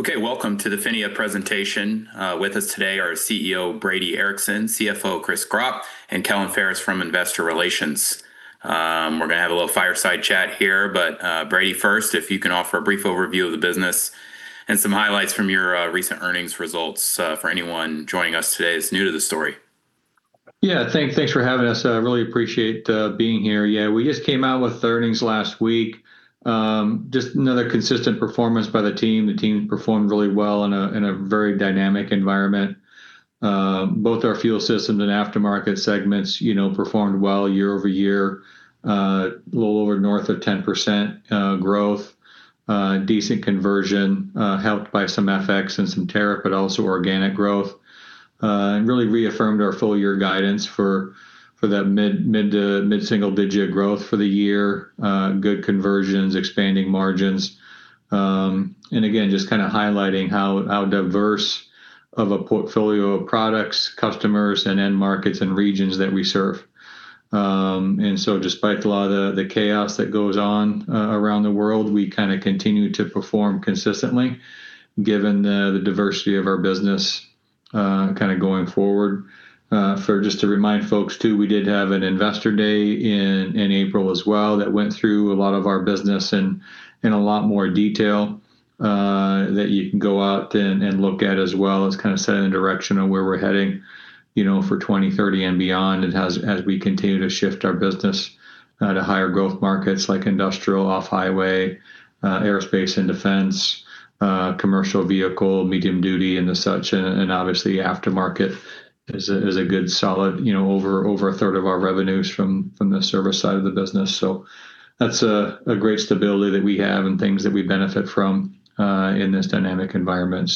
Okay. Welcome to the PHINIA presentation. With us today are CEO Brady Ericson, CFO Chris Gropp, and Kellen Ferris from investor relations. We're gonna have a little fireside chat here, Brady, first, if you can offer a brief overview of the business and some highlights from your recent earnings results for anyone joining us today that's new to the story. Yeah. Thanks for having us. I really appreciate being here. We just came out with earnings last week. Just another consistent performance by the team. The team performed really well in a very dynamic environment. Both our fuel systems and aftermarket segments, you know, performed well year-over-year. A little over north of 10% growth. Decent conversion helped by some FX and some tariffs, but also organic growth. Really reaffirmed our full year guidance for that mid- to mid-single digit growth for the year. Good conversions, expanding margins. Again, just kind of highlighting how diverse of a portfolio of products, customers and end markets and regions that we serve. Despite a lot of the chaos that goes on around the world, we continue to perform consistently given the diversity of our business going forward. Just to remind folks too, we did have an Investor Day in April as well that went through a lot of our business in a lot more detail that you can go out and look at as well as set a direction of where we're heading for 2030 and beyond, as we continue to shift our business to higher growth markets like industrial, off-highway, Aerospace and Defense, commercial vehicle, medium duty and the such. Obviously aftermarket is a good solid, you know, over 1/3 of our revenues from the service side of the business. That's a great stability that we have and things that we benefit from in this dynamic environment.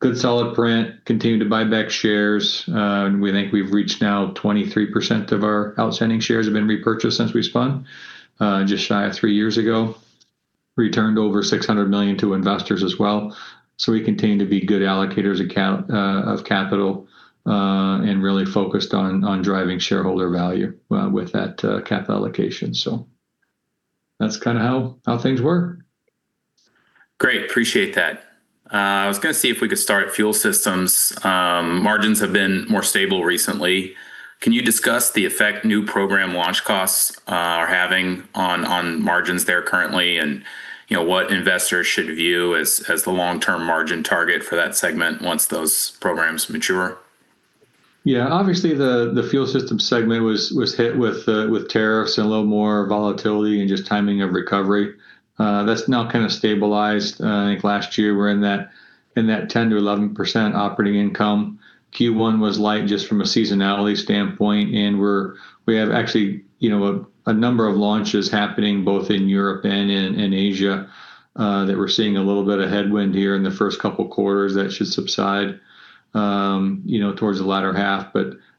Good solid print. Continue to buy back shares. We think we've reached now 23% of our outstanding shares have been repurchased since we spun just shy of three years ago. Returned over $600 million to investors as well. We continue to be good allocators of capital and really focused on driving shareholder value with that capital allocation. That's kind of how things were. Great. Appreciate that. I was going to see if we could start fuel systems. Margins have been more stable recently. Can you discuss the effect new program launch costs are having on margins there currently? You know, what investors should view as the long-term margin target for that segment once those programs mature. Obviously the fuel system segment was hit with tariffs and a little more volatility and just timing of recovery. That's now kind of stabilized. I think last year we're in that 10%-11% operating income. Q1 was light just from a seasonality standpoint, and we have actually, you know, a number of launches happening both in Europe and in Asia that we're seeing a little bit of headwind here in the first couple quarters that should subside, you know, towards the latter half.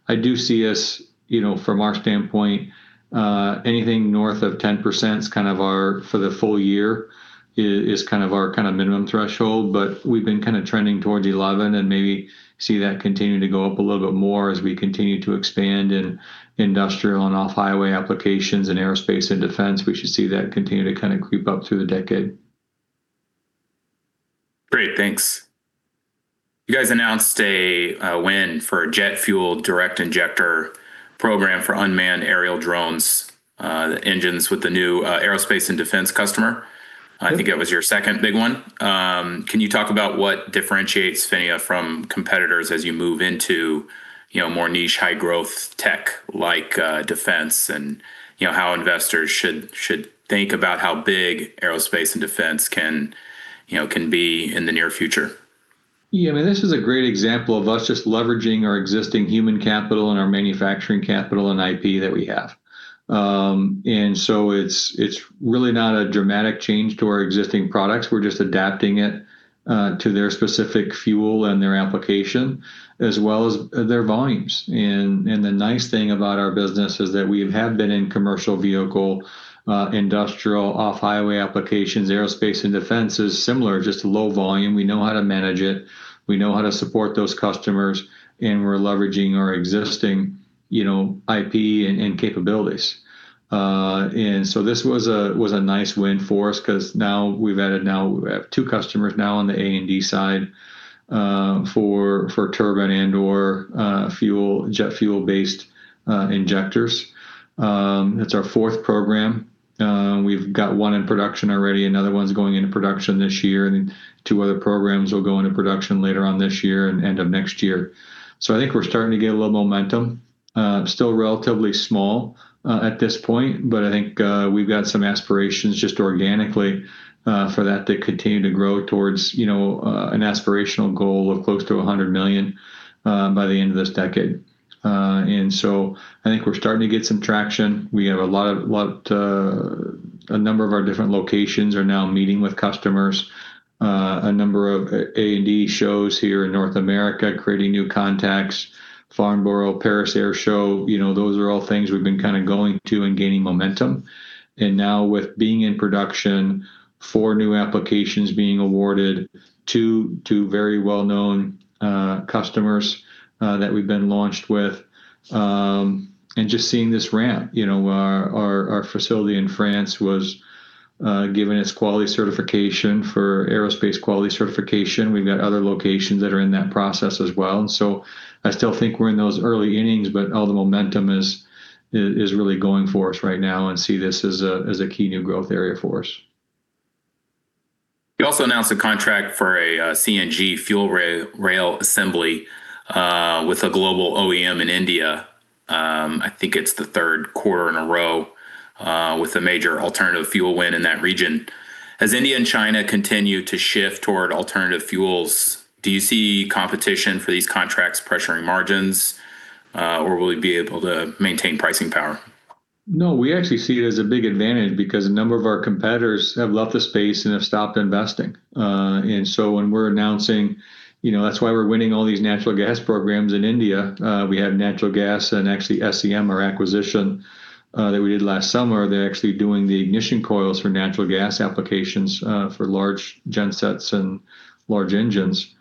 I do see us, you know, from our standpoint, anything north of 10% is kind of our for the full year is kind of our minimum threshold. We've been kind of trending towards 11% and maybe see that continuing to go up a little bit more as we continue to expand in industrial and off-highway applications and aerospace and defense. We should see that continue to kind of creep up through the decade. Great. Thanks. You guys announced a win for a jet fuel direct injector program for unmanned aerial drones, the engines with the new aerospace and defense customer. I think it was your second big one. Can you talk about what differentiates PHINIA from competitors as you move into more niche high growth tech like defense and how investors should think about how big aerospace and defense can be in the near future? I mean, this is a great example of us just leveraging our existing human capital and our manufacturing capital and IP that we have. So it's really not a dramatic change to our existing products. We're just adapting it to their specific fuel and their application as well as their volumes. The nice thing about our business is that we have been in commercial vehicle, industrial off-highway applications. Aerospace and defense is similar, just low volume. We know how to manage it. We know how to support those customers, and we're leveraging our existing, you know, IP and capabilities. So this was a nice win for us 'cause now we have two customers now on the A&D side, for turbine and/or fuel, jet fuel-based injectors. That's our fourth program. We've got one in production already. Another one's going into production this year, and two other programs will go into production later on this year and end of next year. I think we're starting to get a little momentum. Still relatively small at this point, but I think we've got some aspirations just organically for that to continue to grow towards, you know, an aspirational goal of close to $100 million by the end of this decade. I think we're starting to get some traction. We have a number of our different locations are now meeting with customers. A number of A&D shows here in North America, creating new contacts, Farnborough, Paris Air Show, you know, those are all things we've been kind of going to and gaining momentum. Now with being in production, four new applications being awarded, two very well-known customers that we've been launched with, and just seeing this ramp. You know, our facility in France was given its quality certification for aerospace quality certification. We've got other locations that are in that process as well. I still think we're in those early innings, but all the momentum is really going for us right now and see this as a key new growth area for us. You also announced a contract for a CNG fuel rail assembly with a global OEM in India. I think it's the third quarter in a row with a major alternative fuel win in that region. India and China continue to shift toward alternative fuels, do you see competition for these contracts pressuring margins, or will you be able to maintain pricing power? No, we actually see it as a big advantage because a number of our competitors have left the space and have stopped investing. When we're announcing, you know, that's why we're winning all these natural gas programs in India. We have natural gas and actually SEM, our acquisition, that we did last summer. They're actually doing the ignition coils for natural gas applications for large gensets and large engines.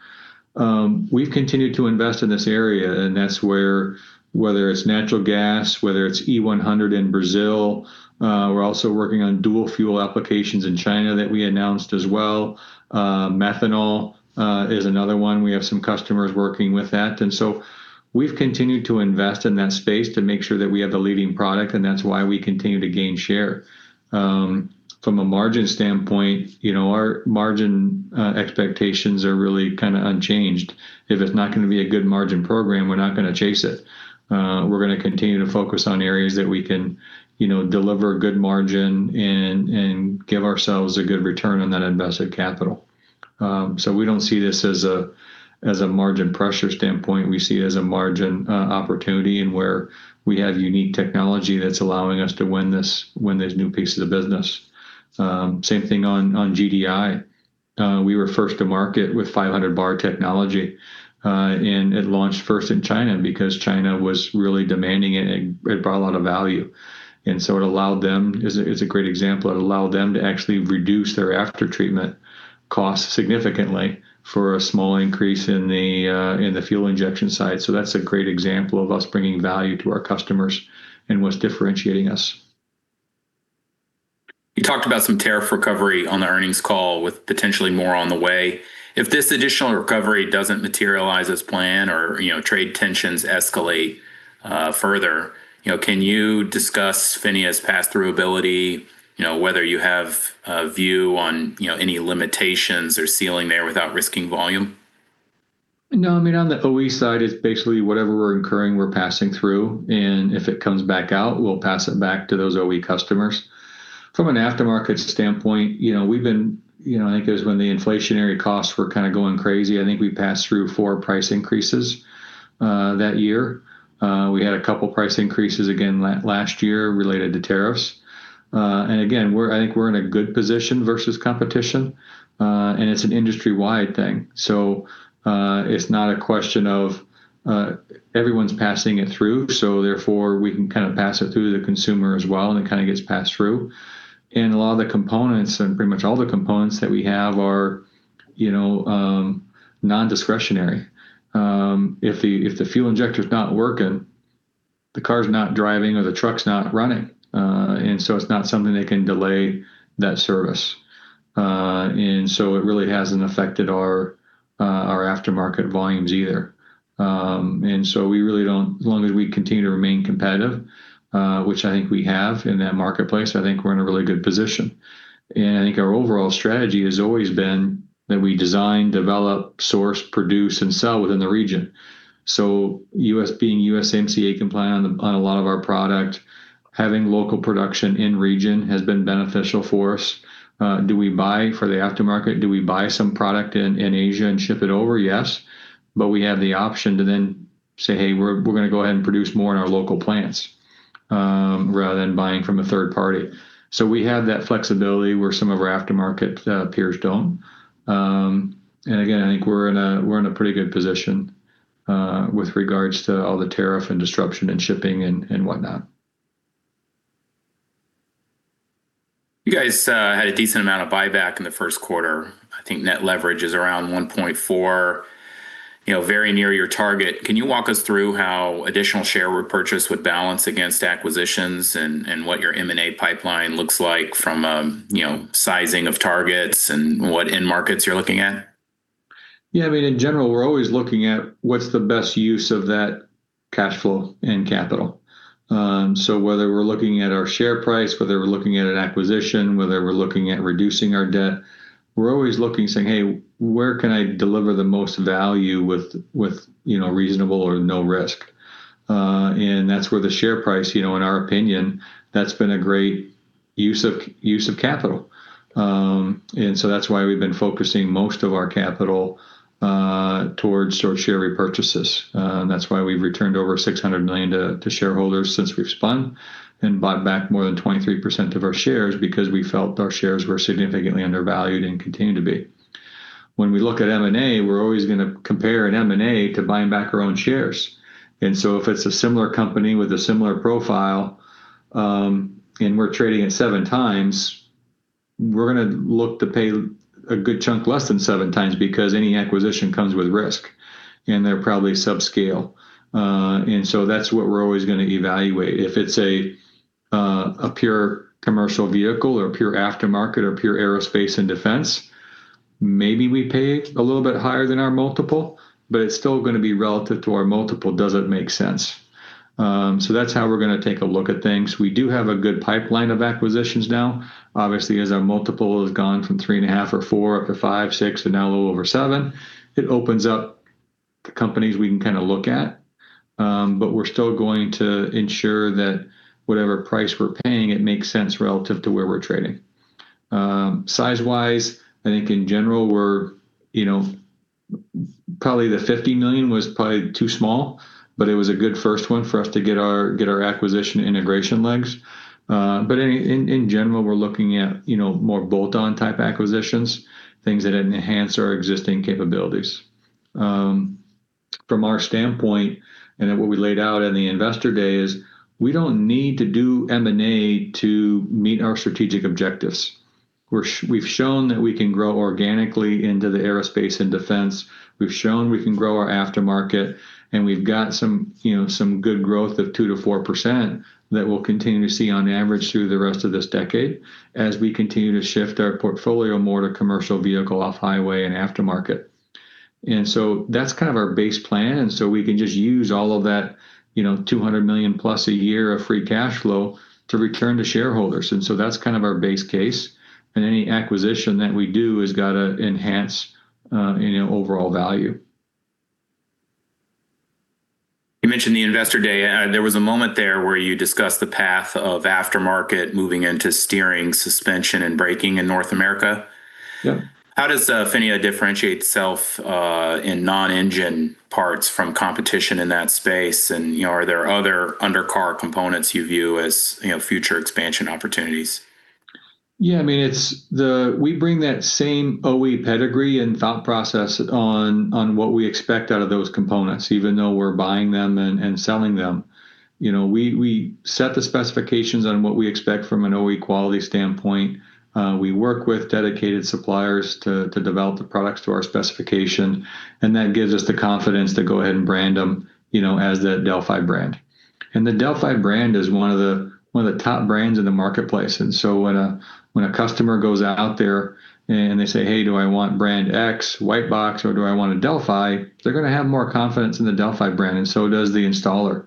We've continued to invest in this area, and that's where whether it's natural gas, whether it's E-100 in Brazil, we're also working on dual fuel applications in China that we announced as well. Methanol is another one. We have some customers working with that. We've continued to invest in that space to make sure that we have the leading product, and that's why we continue to gain share. From a margin standpoint, you know, our margin expectations are really kind of unchanged. If it's not gonna be a good margin program, we're not gonna chase it. We're gonna continue to focus on areas that we can, you know, deliver a good margin and give ourselves a good return on that invested capital. We don't see this as a, as a margin pressure standpoint. We see it as a margin opportunity and where we have unique technology that's allowing us to win these new pieces of business. Same thing on GDI. We were first to market with 500 bar technology, it launched first in China because China was really demanding it, and it brought a lot of value. It's a, it's a great example. It allowed them to actually reduce their after-treatment costs significantly for a small increase in the fuel injection side. That's a great example of us bringing value to our customers and what's differentiating us. You talked about some tariff recovery on the earnings call with potentially more on the way. If this additional recovery doesn't materialize as planned or, you know, trade tensions escalate further, you know, can you discuss PHINIA's pass-through ability, you know, whether you have a view on, you know, any limitations or ceiling there without risking volume? No, I mean, on the OE side, it's basically whatever we're incurring, we're passing through, and if it comes back out, we'll pass it back to those OE customers. From an aftermarket standpoint, you know, I think it was when the inflationary costs were kind of going crazy. I think we passed through four price increases that year. We had a couple price increases again last year related to tariffs. Again, I think we're in a good position versus competition, and it's an industry-wide thing. It's not a question of everyone's passing it through, therefore, we can kind of pass it through to the consumer as well, it kind of gets passed through. A lot of the components and pretty much all the components that we have are, you know, non-discretionary. If the fuel injector's not working, the car's not driving or the truck's not running. It's not something that can delay that service. It really hasn't affected our aftermarket volumes either. As long as we continue to remain competitive, which I think we have in that marketplace, I think we're in a really good position. I think our overall strategy has always been that we design, develop, source, produce, and sell within the region. Being USMCA compliant on a lot of our product, having local production in region has been beneficial for us. Do we buy for the aftermarket? Do we buy some product in Asia and ship it over? Yes. We have the option to then say, "Hey, we're gonna go ahead and produce more in our local plants," rather than buying from a third party. We have that flexibility where some of our aftermarket peers don't. Again, I think we're in a pretty good position with regards to all the tariff and disruption in shipping and whatnot. You guys had a decent amount of buyback in the first quarter. I think net leverage is around 1.4x, you know, very near your target. Can you walk us through how additional share repurchase would balance against acquisitions and what your M&A pipeline looks like from, you know, sizing of targets and what end markets you're looking at? Yeah, I mean, in general, we're always looking at what's the best use of that cash flow and capital. Whether we're looking at our share price, whether we're looking at an acquisition, whether we're looking at reducing our debt, we're always looking, saying, "Hey, where can I deliver the most value with, you know, reasonable or no risk?" That's where the share price, you know, in our opinion, that's been a great use of capital. That's why we've been focusing most of our capital towards stock share repurchases. That's why we've returned over $600 million to shareholders since we've spun and bought back more than 23% of our shares because we felt our shares were significantly undervalued and continue to be. When we look at M&A, we're always gonna compare an M&A to buying back our own shares. If it's a similar company with a similar profile, and we're trading at 7x. We're gonna look to pay a good chunk less than 7x, because any acquisition comes with risk, and they're probably subscale. That's what we're always gonna evaluate. If it's a pure commercial vehicle or a pure aftermarket or pure aerospace and defense, maybe we pay a little bit higher than our multiple, but it's still gonna be relative to our multiple. Does it make sense? That's how we're gonna take a look at things. We do have a good pipeline of acquisitions now. Obviously, as our multiple has gone from 3.5x or 4x up to 5x, 6x, and now a little over 7x, it opens up the companies we can kind of look at. We're still going to ensure that whatever price we're paying, it makes sense relative to where we're trading. Size-wise, I think in general we're, you know, probably the $50 million was probably too small, but it was a good first one for us to get our acquisition integration legs. In general, we're looking at, you know, more bolt-on type acquisitions, things that enhance our existing capabilities. From our standpoint, and what we laid out in the Investor Day is, we don't need to do M&A to meet our strategic objectives. We've shown that we can grow organically into the aerospace and defense. We've shown we can grow our aftermarket, and we've got some, you know, good growth of 2%-4% that we'll continue to see on average through the rest of this decade as we continue to shift our portfolio more to commercial vehicle, off-highway, and aftermarket. That's kind of our base plan, we can just use all of that, you know, $200+ million a year of free cash flow to return to shareholders, That's kind of our base case. Any acquisition that we do has got to enhance, you know, overall value. You mentioned the Investor Day. There was a moment there where you discussed the path of aftermarket moving into steering, suspension, and braking in North America. Yeah. How does PHINIA differentiate itself in non-engine parts from competition in that space and, you know, are there other under-car components you view as, you know, future expansion opportunities? I mean, We bring that same OE pedigree and thought process on what we expect out of those components, even though we're buying them and selling them. You know, we set the specifications on what we expect from an OE quality standpoint. We work with dedicated suppliers to develop the products to our specification, that gives us the confidence to go ahead and brand them, you know, as the Delphi brand. The Delphi brand is one of the top brands in the marketplace, so when a customer goes out there and they say, "Hey, do I want brand X, white box, or do I want a Delphi?" They're gonna have more confidence in the Delphi brand, so does the installer.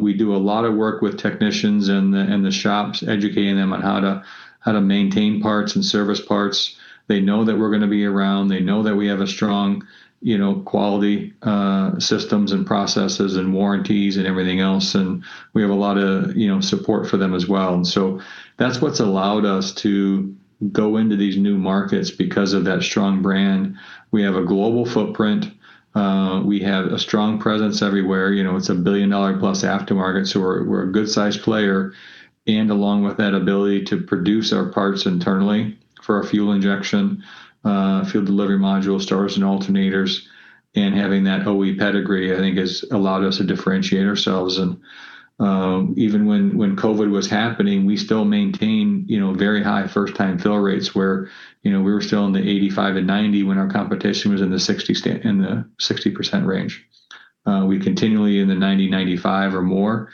We do a lot of work with technicians and the, and the shops, educating them on how to, how to maintain parts and service parts. They know that we're gonna be around. They know that we have a strong, you know, quality systems and processes and warranties and everything else, and we have a lot of, you know, support for them as well. That's what's allowed us to go into these new markets because of that strong brand. We have a global footprint. We have a strong presence everywhere. You know, it's a $1 billion+ aftermarket, so we're a good size player. Along with that ability to produce our parts internally for our fuel injection, fuel delivery module, starters, and alternators, and having that OE pedigree, I think has allowed us to differentiate ourselves. Even when COVID was happening, we still maintained, you know, very high first-time fill rates, where, you know, we were still in the 85% and 90% when our competition was in the 60% range. We continually in the 90%, 95% or more,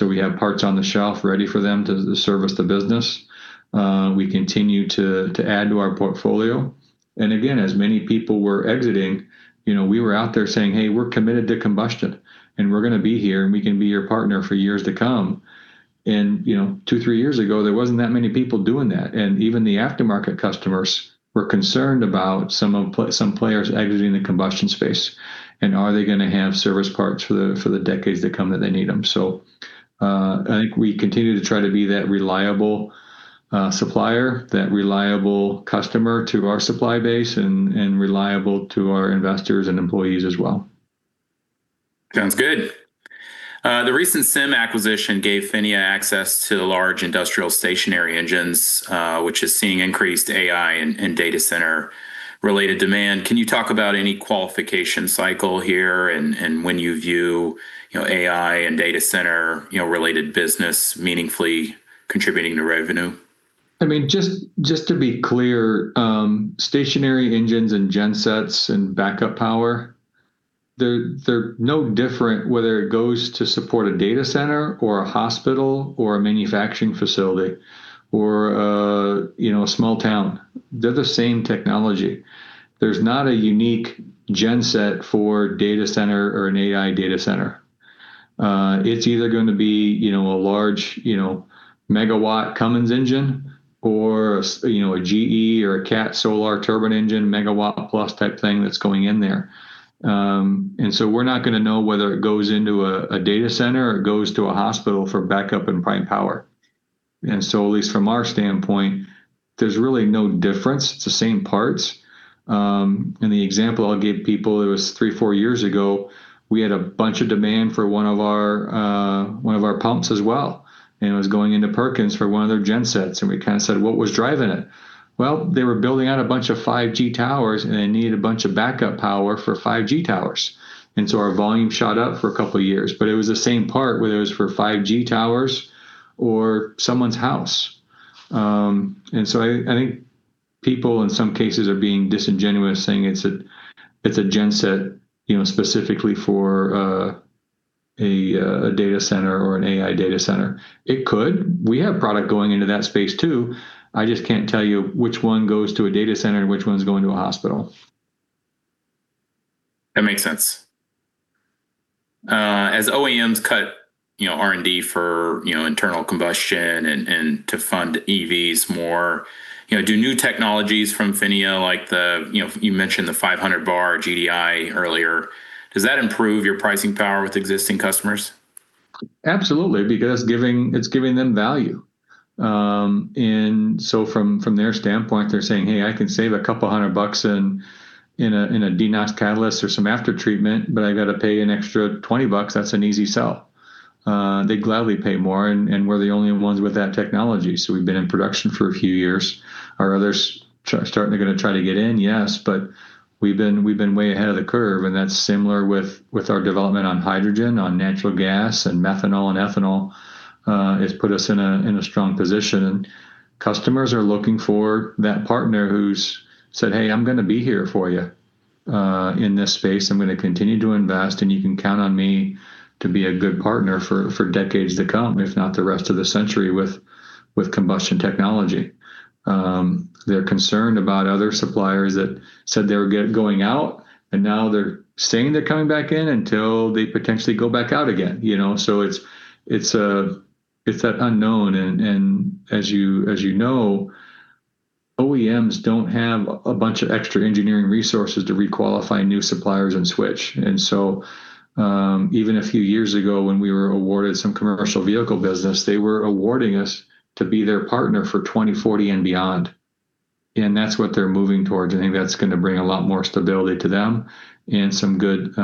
we have parts on the shelf ready for them to service the business. We continue to add to our portfolio. Again, as many people were exiting, you know, we were out there saying, "Hey, we're committed to combustion, and we're gonna be here, and we can be your partner for years to come." You know, two, three years ago, there wasn't that many people doing that, and even the aftermarket customers were concerned about some of some players exiting the combustion space, and are they gonna have service parts for the decades to come that they need them? I think we continue to try to be that reliable supplier, that reliable customer to our supply base and reliable to our investors and employees as well. Sounds good. The recent SEM acquisition gave PHINIA access to the large industrial stationary engines, which is seeing increased AI and data center related demand. Can you talk about any qualification cycle here and when you view, you know, AI and data center, you know, related business meaningfully contributing to revenue? I mean, just to be clear, stationary engines and gensets and backup power, they're no different whether it goes to support a data center or a hospital or a manufacturing facility or, you know, a small town. They're the same technology. There's not a unique genset for data center or an AI data center. It's either gonna be, you know, a large, you know, megawatt Cummins engine or, you know, a GE or a CAT Solar Turbines engine, megawatt plus type thing that's going in there. We're not gonna know whether it goes into a data center or it goes to a hospital for backup and prime power. At least from our standpoint, there's really no difference. It's the same parts. The example I'll give people, it was three, four years ago, we had a bunch of demand for one of our, one of our pumps as well, and it was going into Perkins for one of their gensets, and we kind of said, "What was driving it?" They were building out a bunch of 5G towers, and they needed a bunch of backup power for 5G towers, and so our volume shot up for a couple years. It was the same part, whether it was for 5G towers or someone's house. I think people in some cases are being disingenuous saying it's a, it's a genset, you know, specifically for a data center or an AI data center. It could. We have product going into that space, too. I just can't tell you which one goes to a data center and which one's going to a hospital. That makes sense. As OEMs cut R&D for internal combustion and to fund EVs more, do new technologies from PHINIA like the you mentioned the 500 bar GDI earlier, does that improve your pricing power with existing customers? Absolutely, because it's giving them value. From their standpoint they're saying, "Hey, I can save $200 bucks in a DeNOx catalyst or some aftertreatment, but I gotta pay an extra $20 bucks," that's an easy sell. They gladly pay more and we're the only ones with that technology, we've been in production for a few years. Are others starting to try to get in? Yes, we've been way ahead of the curve, that's similar with our development on hydrogen, on natural gas and methanol and ethanol. It's put us in a strong position. Customers are looking for that partner who's said, "Hey, I'm gonna be here for you in this space. I'm gonna continue to invest, and you can count on me to be a good partner for decades to come, if not the rest of the century with combustion technology. They're concerned about other suppliers that said they were going out, and now they're saying they're coming back in until they potentially go back out again, you know. It's that unknown and as you know, OEMs don't have a bunch of extra engineering resources to requalify new suppliers and switch. Even a few years ago when we were awarded some commercial vehicle business, they were awarding us to be their partner for 2040 and beyond, and that's what they're moving towards, and I think that's gonna bring a lot more stability to them and some good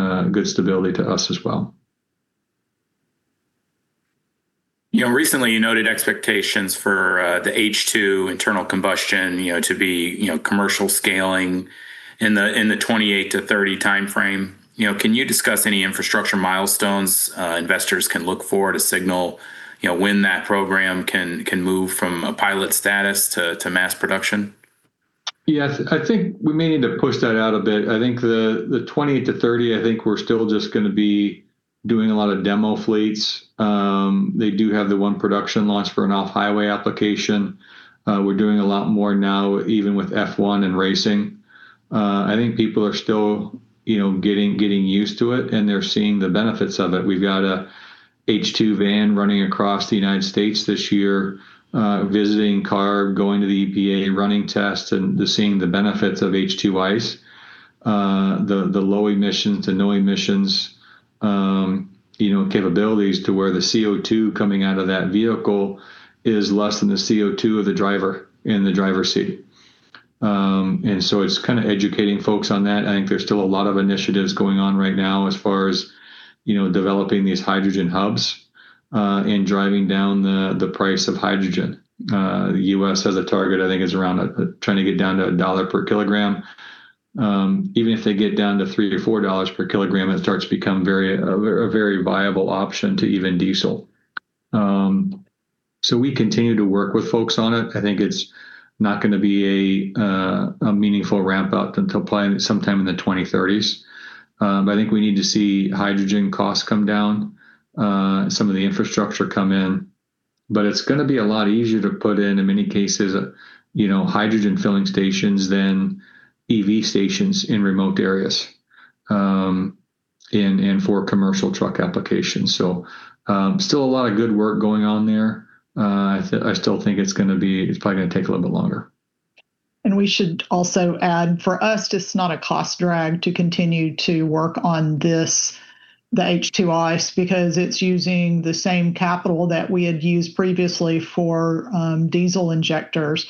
stability to us as well. You know, recently you noted expectations for the H2 internal combustion, you know, to be, you know, commercial scaling in the 2028-2030 timeframe. You know, can you discuss any infrastructure milestones investors can look for to signal, you know, when that program can move from a pilot status to mass production? Yes. I think we may need to push that out a bit. I think the 2028-2030, I think we're still just going to be doing a lot of demo fleets. They do have the 1 production launch for an off-highway application. We're doing a lot more now even with F1 and racing. I think people are still, you know, getting used to it, and they're seeing the benefits of it. We've got a H2 van running across the U.S. this year, visiting CARB, going to the EPA, running tests and seeing the benefits of H2 ICE. The low emissions to no emissions, you know, capabilities to where the CO2 coming out of that vehicle is less than the CO2 of the driver in the driver's seat. It's kind of educating folks on that. I think there's still a lot of initiatives going on right now as far as, you know, developing these hydrogen hubs and driving down the price of hydrogen. The U.S. has a target, I think it's around trying to get down to $1/kg. Even if they get down to $3-$4 per kg, it starts to become a very viable option to even diesel. We continue to work with folks on it. I think it's not gonna be a meaningful ramp-up until probably sometime in the 2030s. I think we need to see hydrogen costs come down, some of the infrastructure come in. It's going to be a lot easier to put in many cases, you know, hydrogen filling stations than EV stations in remote areas and for commercial truck applications. Still a lot of good work going on there. I still think it's probably going to take a little bit longer. We should also add, for us it's not a cost drag to continue to work on this, the H2 ICE, because it's using the same capital that we had used previously for diesel injectors,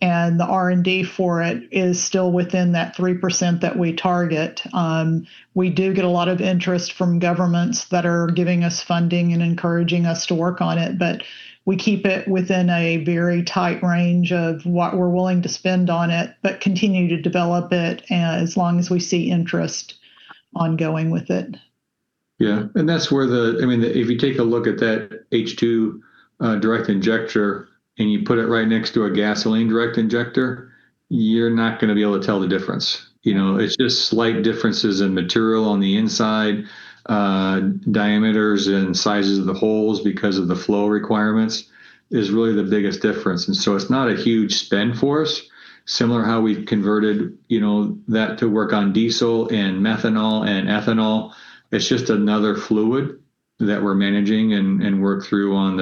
and the R&D for it is still within that 3% that we target. We do get a lot of interest from governments that are giving us funding and encouraging us to work on it, but we keep it within a very tight range of what we're willing to spend on it, but continue to develop it as long as we see interest on going with it. Yeah. That's where the I mean, if you take a look at that H2 direct injector and you put it right next to a gasoline direct injector, you're not gonna be able to tell the difference, you know. It's just slight differences in material on the inside, diameters and sizes of the holes because of the flow requirements is really the biggest difference. It's not a huge spend for us. Similar how we've converted, you know, that to work on diesel and methanol and ethanol. It's just another fluid that we're managing and work through on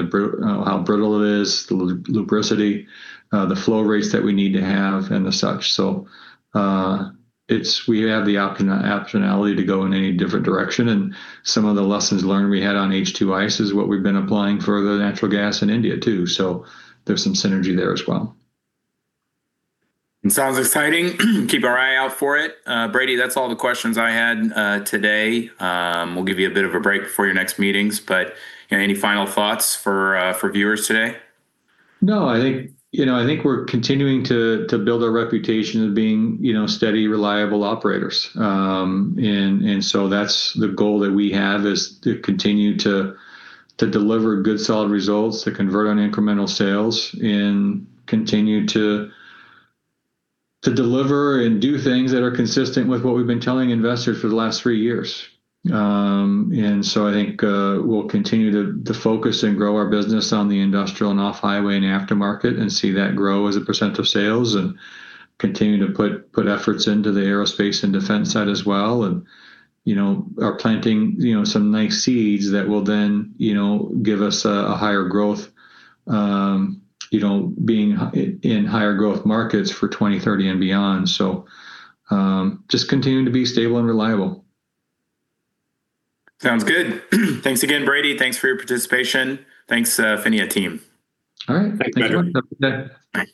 how brittle it is, lubricity, the flow rates that we need to have, and the such. We have the optionality to go in any different direction, and some of the lessons learned we had on H2 ICE is what we've been applying for the natural gas in India, too, so there's some synergy there as well. It sounds exciting. Keep our eye out for it. Brady, that's all the questions I had today. We'll give you a bit of a break before your next meetings, but, you know, any final thoughts for viewers today? You know, I think we're continuing to build a reputation of being, you know, steady, reliable operators. That's the goal that we have, is to continue to deliver good solid results, to convert on incremental sales, and continue to deliver and do things that are consistent with what we've been telling investors for the last three years. I think we'll continue to focus and grow our business on the industrial and off-highway and aftermarket and see that grow as a percent of sales and continue to put efforts into the Aerospace and Defense side as well and, you know, are planting, you know, some nice seeds that will then, you know, give us a higher growth, being in higher growth markets for 2030 and beyond. Just continuing to be stable and reliable. Sounds good. Thanks again, Brady. Thanks for your participation. Thanks, PHINIA team. All right. Thanks, guys. Have a good one. Talk to you then. Bye.